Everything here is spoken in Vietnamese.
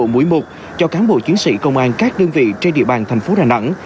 bệnh viện sẽ tiêm toàn bộ mũi một cho cán bộ chiến sĩ công an các đơn vị trên địa bàn thành phố đà nẵng